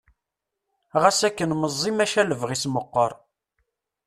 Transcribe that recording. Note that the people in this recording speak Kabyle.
Ɣas akken meẓẓi maca lebɣi-s meqqar.